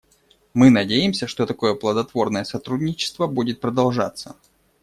Мы надеемся, что такое плодотворное сотрудничество будет продолжаться.